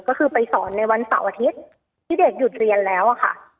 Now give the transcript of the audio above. ก็คือไปสอนในวันเสาร์อาทิตย์ที่เด็กหยุดเรียนแล้วค่ะ